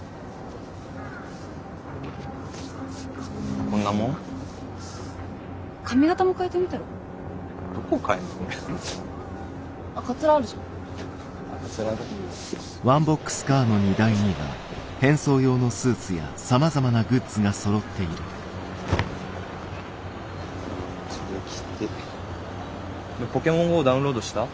お前「ポケモンＧＯ」ダウンロードした？